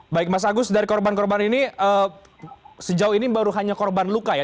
baik mas agus dari korban korban ini sejauh ini baru hanya korban luka ya